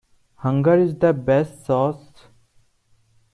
Hunger is the best sauce.